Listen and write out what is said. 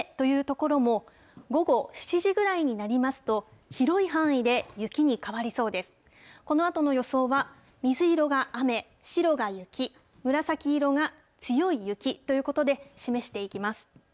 このあとの予想は、水色が雨、白が雪、紫色が強い雪ということで示していきます。